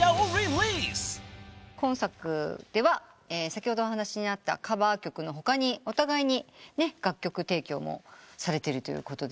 今作では先ほどお話にあったカバー曲の他にお互いに楽曲提供もされてるということで。